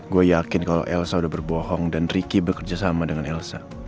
gue yakin kalau elsa udah berbohong dan ricky bekerja sama dengan elsa